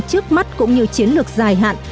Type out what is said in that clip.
trước mắt cũng như chiến lược dài hạn